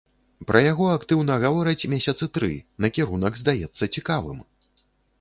Пра яго актыўна гавораць месяцы тры, накірунак здаецца цікавым.